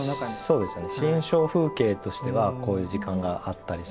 そうですね。